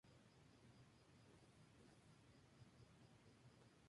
La misma escena se representa en una cerámica ática de figuras rojas.